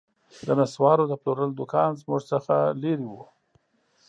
د نسوارو د پلورلو دوکان زموږ څخه لیري و